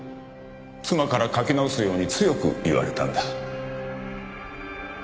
妻から書き直すように強く言われたんだ。